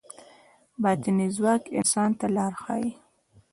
باطني ځواک انسان ته لار ښيي.